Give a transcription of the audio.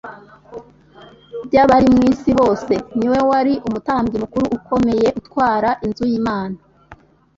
by'abari mu isi bose. Ni we wari "Umutambyi mukuru ukomeye utwara inzu y'Imana,"